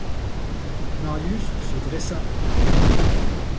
Marius se dressa.